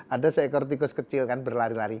ada seekor tikus kecil kan berlari lari